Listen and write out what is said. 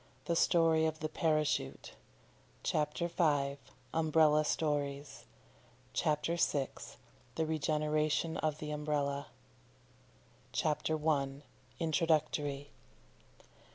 THE STORY OF THE PARACHUTE CHAPTER V. UMBRELLA STORIES CHAPTER VI. THE REGENERATION OF THE UMBRELLA CHAPTER I. INTRODUCTORY.